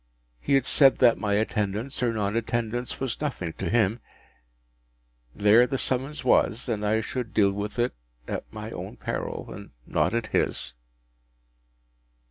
He had said that my attendance or non attendance was nothing to him; there the summons was; and I should deal with it at my own peril, and not at his.